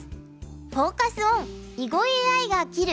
フォーカス・オン「囲碁ＡＩが斬る！